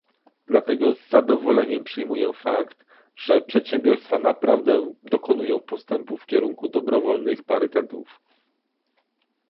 Dlatego z zadowoleniem przyjmuję fakt, że przedsiębiorstwa naprawdę dokonują postępu w kierunku dobrowolnych parytetów